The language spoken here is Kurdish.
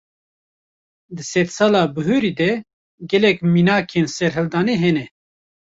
Di sedsala bihurî de, gelek mînakên serîhildanê hene